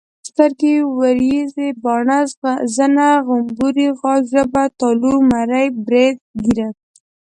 سترګي ، وريزي، باڼه، زنه، غمبوري، غاښ، ژبه ،تالو، مرۍ، بريت، ګيره